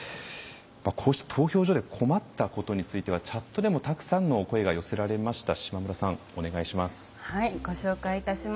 こうした投票所で困ったことについてはチャットでもたくさんの声が寄せられました。